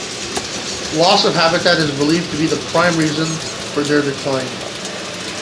Loss of habitat is believed to be the prime reason for their decline.